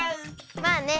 まあね。